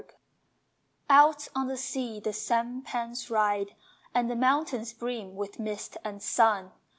_) Out on the sea the sampans ride And the mountains brim with mist and sun.